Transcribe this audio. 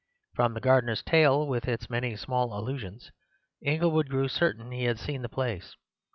From the gardener's tale, with its many small allusions, Inglewood grew certain he had seen the place.